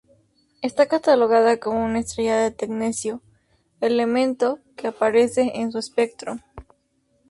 Está catalogada como una estrella de tecnecio, elemento que aparece en su espectro.